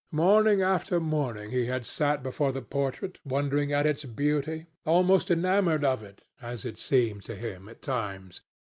Morning after morning he had sat before the portrait wondering at its beauty, almost enamoured of it, as it seemed to him at times.